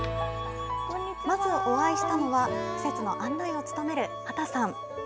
まずお会いしたのは、施設の案内を務める秦さん。